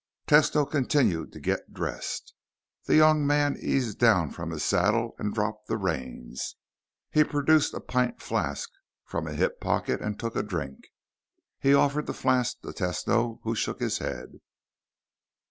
Tesno continued to get dressed. The young man eased down from his saddle and dropped the reins. He produced a pint flask from a hip pocket and took a drink. He offered the flask to Tesno, who shook his head.